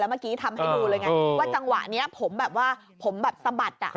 ว่าจังหวะนี้ผมแบบว่าผมแบบสะบัด